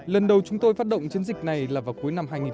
lần đầu chúng tôi phát động chiến dịch này là vào cuối tuần